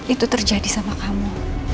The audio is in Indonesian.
itu terjadi sama kamu